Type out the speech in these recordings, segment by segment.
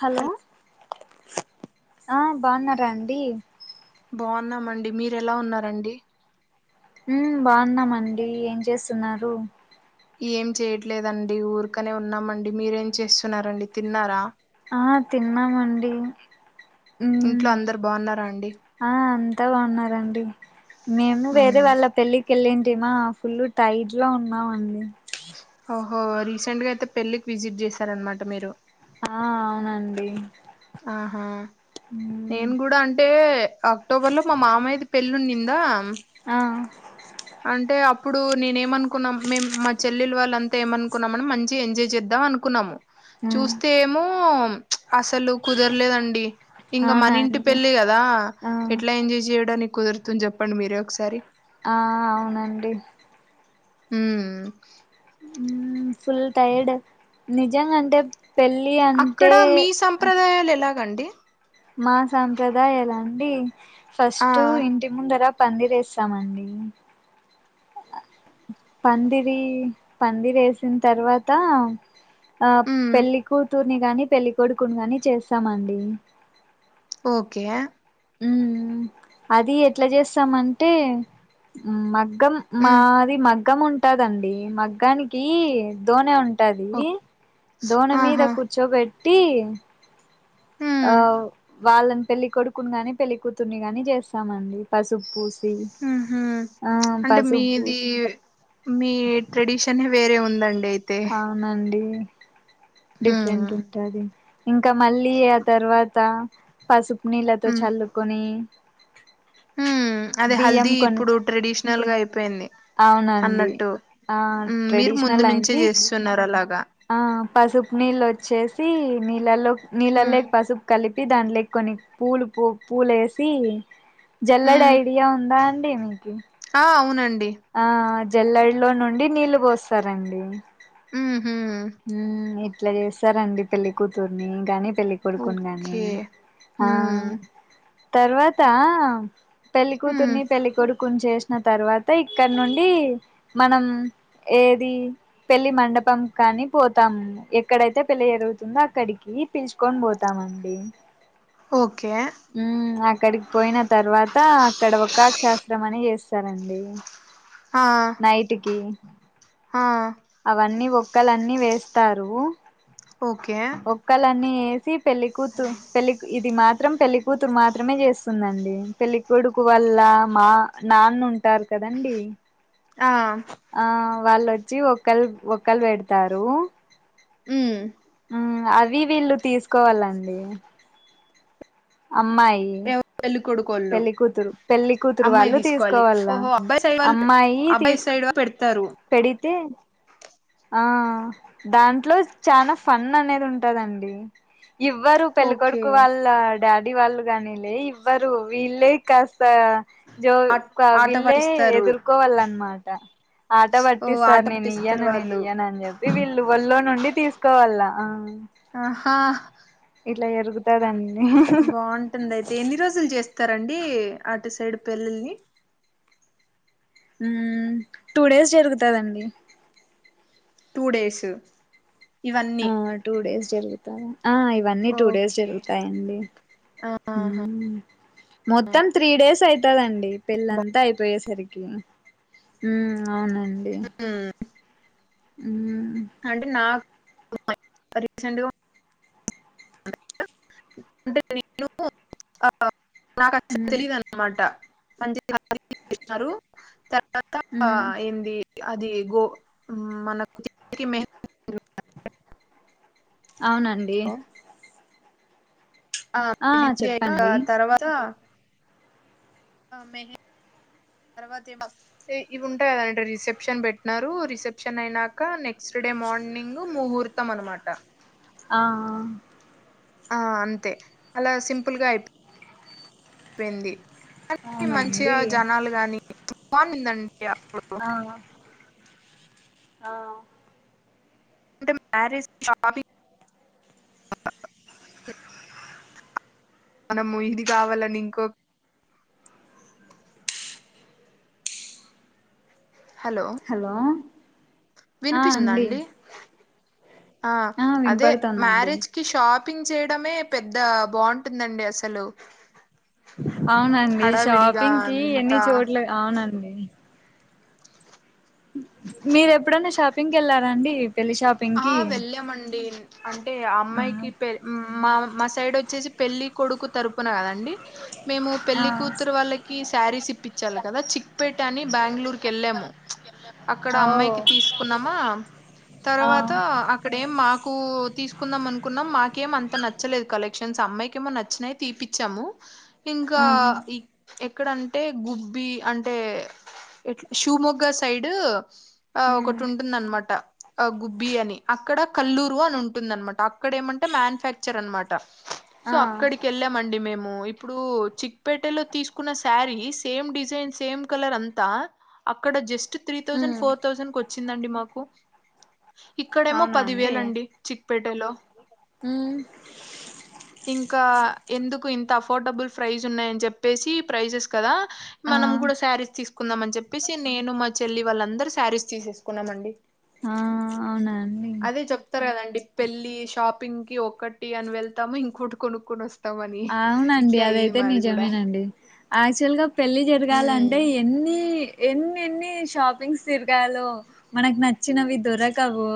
Hello ఆ బాగున్నారా అండి. బాగున్నామండి, మీరెలా ఉన్నారండి? హ్మ్ బాగున్నామండి ఏం చేస్తున్నారు. ఏం చేయట్లేదండి ఊర్కనే ఉన్నామండి మీరేం చేస్తున్నారండి, తిన్నారా? ఆ తిన్నామండి. ఉమ్ ఇంట్లో అందరు బావున్ ఆ అంతా బాగున్నారండి మేము వేరే ఉమ్ వాళ్ళ పెళ్ళికేళ్ళి టి నా ఫుల్ టైడ్లో ఉన్నామండి. ఓహో రీసెంట్గాయితే పెళ్కి విసిట్ జేశారన్మాట మీరు ఆ అవునండి. ఆహా ఉమ్ నేన్ గుడా అంటే అక్టోబర్లో మా మామయ్యది పేళ్లునిందాం ఆ అంటే అప్పుడు నేన్ ఏమనుకున్నాం మేం మా చెల్లెలు వాళ్ళంత ఏమనుకున్నా మనీ మంచిగ ఎంజాయ్ జేద్దాం. అలా అనుకున్నము ఉమ్ చూస్తే ఏమో అసలు కుదర్లేదండి. ఇంగ అవునా మనింటి అండి పెళ్ళి గదా ఆ ఎట్ల ఎంజాయ్ జేయడానిక్ కుదురుతున్ జేప్పండి మీరే ఒకసారి ఆ అవునండి. మ్మ్ ఉమ్ ఫుల్ టైర్డ్ నిజంగ అంటే పెళ్ళి అంటే అండి మా సాంప్రదాయాలండి ఆ ఫస్టు ఇంటి ముందర పందిరేస్తామండి. పందిరీ పందిరేసిన్ తర్వాత ఆ ఉమ్ పెళ్లి కూతుర్ని గాని పెళ్లి కొడుకుని గాని చేస్తామండి ఓకే ఆ ఉమ్మ్ అది ఎట్ల చేస్తమంటే ఉమ్ మద్ గ్గం ఉమ్ మాది మగ్గం ఉంటదండి మగ్గానికి దోనే ఉన్ ఉంటది ఓకే దోన మీద ఆహా కూర్చోబెట్టి ఉమ్ ఆ వాళ్ళన్ పెళ్లి కొడుకున్ గాని పెళ్లి కూతుర్ని గాని చేస్తామండి పసుపు పూ మ్ హ్ అంటే మీది పూసి మీ ట్రెడిషనే వేరే ఉందం అవునండి డిఫరెంట్ ఉమ్ ఉంటది ఇంకా మళ్ళీ ఆ తర్వాత పసుపు నీళ్ళతో చల్లుకొని హుమ్ అదే బియ్యం హల్దీ కొని ఇప్పుడు ట్రెడిషినల్గా అయిపోయింది అవునండి అన్నట్టు ఆ మీరు ముందు ట్రెడిషనల్ నుంచే అయింది చేస్తున్నారు అలాగా ఆ పసుపు నీళ్ళు వచ్చేసి నీళ్ళల్లో ఉమ్ నీళ్ళల్లె పసుపు కలిప్ చెప్పి దాంట్లో కొన్ని పూలు పూ పూలేసి జల్లెడ ఉమ్ ఐడియా ఉందా అండి మీకు ఆ అవునండి. ఆ జల్లడెలో నుండి నీళ్లు పోస్తరండి. ఉమ్ ఉమ్ ఇట్ల చేస్తరండి పెళ్లి కూతుర్ని గాని పెళ్ళి కొడుకుని గానీ ఓకే ఆ ఉమ్ తర్వాత ఉమ్ పెళ్లికూతుర్ని పెళ్లికొడుకుని చేసిన తర్వాత ఇక్కడ నుండి మనమ్ ఏది పెళ్లి మండపం కానీ పోతాం ఎక్కడైతే పెళ్లి జరుగుతుందో అక్కడికి పిల్చుకొని పోతామండి. ఓకే ఉమ్ అక్కడికి పోయిన తర్వాత అక్కడ ఒక్షాస్త్రం అని చేస్ స్తరండి ఆ నైట్ కి ఆ అవన్నీ ఒ ఒక్కలన్నీ వేస్తారు ఓకే ఒక్కలన్నీ వే పెళ్లికూతురు పెళ్లి ఇది మాత్రం పెళ్లికూత్ కూతురు మాత్రమే చేస్తుందండి పెళ్ళికొడుకు వల్ల మా నాన్న ఉంటారు కదండి ఆ ఆ వాళ్ళొచ్చి ఒక్కల్ ఒక్కల్ పెడతారు ఉమ్ ఉమ్ వి వీళ్ళు తీసుకోవాలండి. అమ్మాయి ఎవ పెళ్లి కొడుకోళ్ళు పెళ్లికుతురు పెళ్లికుతురు అమ్మాయి వాళ్ళు తీసుకోవాలి తీసుకోవాల్ల అమ్మాయి తీసుక్ పెడ్తారు పెడితే ఆ దాంట్లో చానా ఫన్ అనేది ఉంటదండి ఇవ్వరు ఓకే పెళ్లికొడుకు వాళ్ళ డాడీ వాళ్ళు కానీ లే ఇవ్వరు వీళ్ళే కాస్ త జో ఆట్ ఒక ఆట వీళ్ళే పట్టిస్తారు ఎదుర్కోవాల అన్నమాట ఆట ఓ ఆట పట్టిస్తరు నేను పట్టిస్తారు ఇయ్యను నేను వాళ్ళు ఇయ్యను అని చెప్పి వీళ్ళు ఒళ్ళో నుండి తీసుకోవాల ఆ ఆహా అట్ల జరుగుతదండి బాగుంటుంది అయితే ఎన్ని రోజులు చేస్ స్తరండి అటు సైడ్ పెళ్ళిల్ని ఉమ్ టు డేస్ జరుగుతదండి టూ డేసు ఆ టూ డేస్ జరుగుతాయ ఆ ఇవన్నీ టూ డేస్ ఓకే జరుగుతాయి అండి ఆహా ఉమ్ మొత్తం త్రీ డేస్ అయితదండి పెళ్ళంతా అయిపోయేసరికి య ఉమ్ అవునండి ఉమ్ అంటె నాకు రీసెంట్గా అంటె నేను ఆ ఆ నాకు అస్సల్ ఉమ్ తెలిదున్నమాట మంచిగా రిసెప్షన్ పెట్టినారు త తత ఉమ్ ఏంది అది గో మనకు చేతికి మెహంది అవునండి ఆహ్ ఆ మెహెంది అయ్యాక చెప్పండి ఆ తర్వాత ఆ మెహె తర్వాత ఇవస్ ఇ ఇవుంటాయ్ గద అంటె రిసెప్షన్ పెట్టినారు రిసెప్షన్ అయినాక నెక్స్ట్ నెక్స్ట్ డే మార్నింగ్ ముహూర్తం అనమాట ఆ ఆ ఆహ్ అంతే అలా సింపుల్ గా అయిప్ పైంది కని మంచిగా అవునండి జనాలు గాని బావుండిందన్ ఆ ఆ అంటె మ్యారేజ్ షాపింగ్ మనము ఇది గవాలని ఇంకో హలో వినిపిస్తుందా అండి ఆ అదే మ్యారేజ్కి షాప్ పింగ్ చేయడమే పెద్ద బావుంటుందండి అసలు అవునండి హడావిడిగా షాపింగ్ కి ఎన్ని అంతా చోట్ల అవునండి మీరెప్పుడన్న షాపింగ్కి ఎళ్లారా అండి ఆహ్ వెళ్ళామండి అంటే అ ఆ అమ్మాయికి పె మ్ మా మా సైడ్ ఒచ్చేసి పెళ్లి కొడుకు తరుపున గదండి మేము ఆ పెళ్ళి కూతురు వాళ్ళకి శారీస్ ఇప్పించాలి గదా చిక్పేట అని బ్యాంగ్ళూర్ కి ఎళ్ళాము అక్కడ ఓ అమ్మాయికి తీసుకున్నామా ఆ తర్వాత అక్కడేం మాకు తీసుకుందాం అనుకున్నం మాకేం అంత నచ్చలేదు కలెక్షన్స్ అమ్మాయికి ఏమో నచ్చినయి తీపిచ్చాం ము ఇంకా ఆ ఇక్ ఎక్ ఎక్కడంటే గుబ్బి అంటే ఎట్ల శువ్ మొగ్గ సైడు ఆహ్ ఉమ్ ఒకటి ఉంటుందనమాట అ గుబ్బి అని అక్కడ కల్లూరు అని ఉంటుందనమాట అక్ అక్కడ ఏమంటే మ్యానుఫ్యాక్చర్ అనమాట ఆ సో అక్కడికి వెళ్ళామండి మేము ఇ ఇప్పుడు చిక్పేటెలో తీసుకున్న sari same design same colour అంతా అక్కడ జస్ ట్ త్రీ థౌసండ్ ఉమ్ ఫోర్ థౌసండ్ కు వచ్చిందండి మాకు ఇక్కడేమో అవునా పది అండి వేలండి చిక్పేటలో ఉమ్ ఇంకా ఎందుక్ కు ఇంత అఫర్డబుల్ ప్రైసున్నయ్ అని చెప్పేసి ప్రైసెస్ కదా ఆ మనం గూడా శారీస్ తీసు కుందాం అని చెప్పేసి నేను మా చెల్లి వాళ్ళందరూ శారీస్ తీసేసుకున్నామండి ఆ అవునా అండి అదే చెప్తరు గదండి పెళ్లి షాపింగ్ కి ఒక్కటి అని వెళ్తాము ఇంకొటి కొనుక్కొని వస్ ఆవునండి అదైతే నిజమేనండి యాక్చువల్ గా పెళ్ళి ఉమ్ జరగాలంటే ఎన్ని ఎన్ని ఎన్ని షాపింగ్స్ తిరగాలో మనకు నచ్చినవి దొరకవు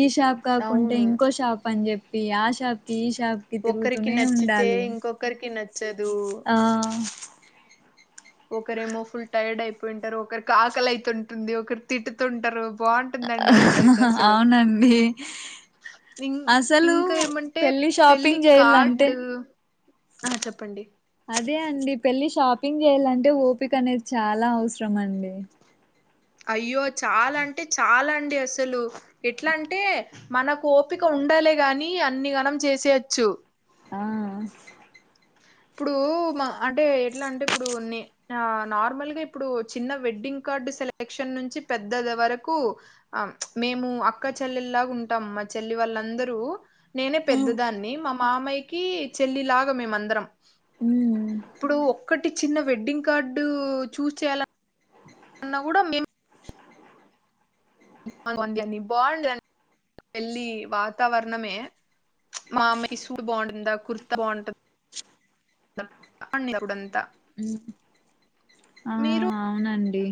ఈ షాప్ కాకుంటే అవును ఇంకో షాప్ అని జెప్పి ఆ షాప్ కి ఈ షాప్ కి తిరుగుతు ఒకరికి నచ్చితే ఇంకొకరికి నచ్చదు ఆ ఒకరేమో ఫుల్ టైర్డ్ అయిపోయింటరు ఒకరికి ఆకలైతుంటుంది ఒకరు తిట్టుతుంటరు అవునండి ఇన్ అసలు ఇంకా ఏమంటే పెళ్లి షాపింగ్ చేయాలంటే కార్డు అహ చెప్పండి అదే అండి పెళ్ళి షాపింగ్ జెయలంటే ఓపిక అనేది చాలా అవసరం అండి అయ్యో చాలా అంటే చాలా అండి అసలు ఎట్లా అంటే మనకు ఓపిక ఉన్ ఉండాలే గాని అన్ని గనం చేసెయోచ్చు ఆ ఇప్పుడు మ అంటే ఎట్లా అంటే ఇప్పుడు నే న నార్మల్గా ఇప్పుడు చిన్న వెడ్డింగ్ కార్డు సెలక్షన్ నుంచి పెద్దది వరకు అహ్ మేము అక్క చెల్లెల్లాగా ఉంటాం మ చెల్లి వాళ్ళందరూ నేనే పెద్దదాన్ని మా మామయ్య కి చెల్లి లాగా మేమందరం ఉమ్ ఇప్పుడు ఒక్కటి చిన్న వెడ్డింగ్ కార్డు చూస్ చేయాల న్న గుడా మేం బావుంది బాండ్ పెళ్లి వాతావరణమే మా అమ్మేకి సూట్ బాగుంటుందా కుర్తా బాగుంటుంద కుడంతా ఆ అవునండి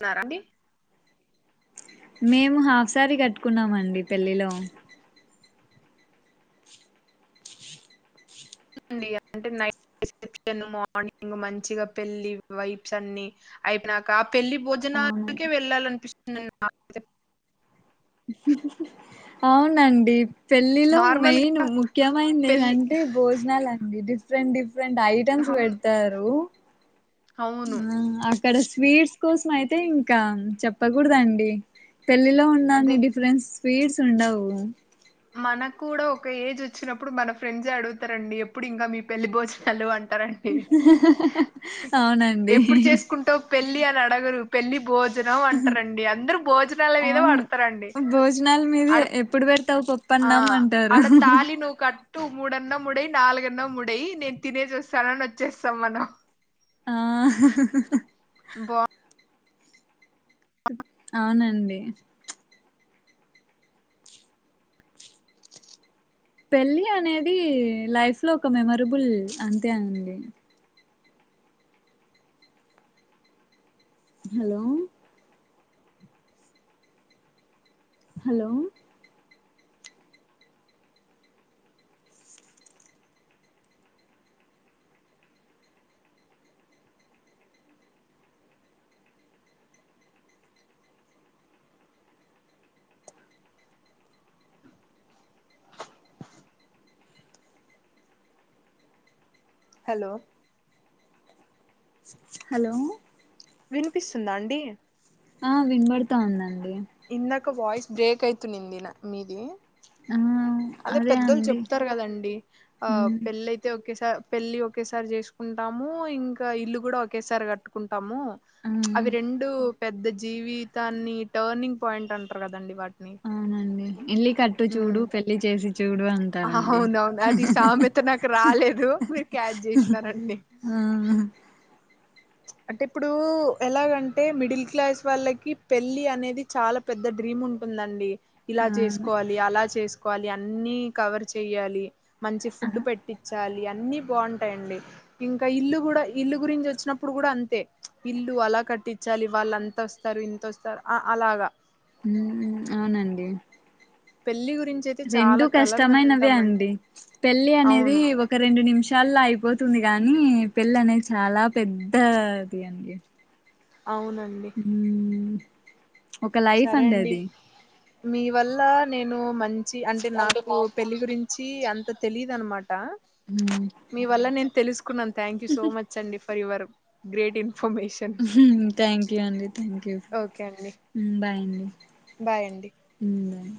న్నారా అండి మేము హాఫ్ సారి కట్టుకున్నామండి పెళ్ళిలో అండి అంటే నై రిసెప్షన్ మార్నింగ్ మంచిగా పెళ్లి వైబ్స్ అన్ని అయిప్నాక ఆ పెళ్లి భోజ నాకే అవునండి వెళ్ళాలనిపిస్తు మాకు అయితేయ్ అవునండి పెళ్ళిలో నార్మల్ గా మెయిన్ ముఖ్యమైంది పెళ్లి ఏదంటే భోజనాలండి డిఫరెంట్ డిఫ్ రెంట్ ఐటమ్స్ అవును వెడ్తారు అవును క్కడ స్వీట్స్ కోసం అయితే ఇంకా చెప్పగుడదండి పెళ్ళిలో ఉండన్ని అదే డిఫరెంట్ స్వీట్స్ ఉండవు మనకు కూడా ఒక ఏజ్ వచ్చినప్పుడు మన ఫ్రెండ్స్ ఏ అడుగుతరండి ఎప్పుడు ఇంకా మీ పెళ్లి భోజనాలు అంట్ రండి అవునండి ఎప్పుడు చేసుకుంటావ్ పెళ్ళి అని అడ్ గరు పెళ్లి బోజ్ జనం అంటారండి అందరు భోజనాల మీదే అవును వాడతరండీ భోజనాల మీదే అడ్ ఎప్పుడు పెడతావు ఆ పప్పన్నం అంటారు అడ తాలి నువ్ కట్ టు ముడన్న ముడేయ్ నాలుగన్న ముడేయ్ నేన్ తినేసి వొస్తానని వొచ్చేస్తాం అన్న ఆ బా అవునండి ప్చ్ పెళ్ళి అనేది లైఫ్ లో ఒక మెమోరబుల్ అంతే అండి హలో హలో హలో హలో వినిపిస్తుందా అండి ఆ వినబడుతా ఉందండ్ ఇందక వాయిస్ బ్రేక్ అయితునింది న మీది ఆ అదే పెద్దోళ్ చెప్తారు కదండి ఆ ఉమ్ పెళ్ళియితే ఒకేసార్ పెళ్లి ఒకేసారి చేషుకుంతాము ఇంకా ఇల్లు గుడా ఒకేసారి కట్టుకుంట్ తమ్ము ఆ అవి రెండు పెద్ద జీవితాన్ని టర్నింగ్ పాయింట్ అంటరు కదండి వాటిని అవునండి ఇల్లి కట్టు చూడు మ్ పెళ్లి చేసి చూడు అంటారండి అవునవును అది సామెత నాకు రాలేదు మీరు క్యాచ్ జేష్నారండి ఆ అంటే ఇప్పుడూ ఎలాగంటే మిడిల్ క్లాస్ వాళ్ళకి పెళ్లి అనేది చాలా పెద్ద డ్రీమ్ ఉంటుందండి ఇలా ఆ చేసుకోవాలి అలా చేసుకోవాలి అన్ని కవర్ చెయ్యాలి మంచి ఫుడ్ పెట్టిచ్చాలి అన్ని బాగుంటాయి అండి ఇంకా ఇల్లు గుడా ఇల్లు గురించి వచ్చినప్ ఇప్పుడు గుడా అంతే ఇల్లు అలా కట్టిచ్చాలి వాళ్ళు అంత వొస్తారు ఇంత వొస్తారు అ అలాగా మ్ అవునండి పెళ్లి గుర్ రెండు కష్టమైనవే అండి పెళ్లి అనేది అవును ఒక రెండు నిమిషాల్లో అయిపోతు ది గాని పెళ్ళి అనేది చాలా పెద్ద ది అండి అవునండి మ్మ్ ఒక లైఫ్ సరే అండి అది మీ వల్ల నేను మం చి అంటే నాకు పెళ్ళి గురించి అంత తెలిదు అనమాట మీ వల్ల నేన్ తెలుస్కున్నన్ థ్యాంక్యూ సో మచ్చ్ అండి for your great info thank you అండి థ్యాంక్యూ ఓకే అండి ఉ బాయండి బాయ్ అండి ఉ బాయ్